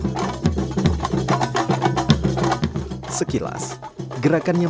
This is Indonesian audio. sekilas gerakannya menyerupai sebuah perangkat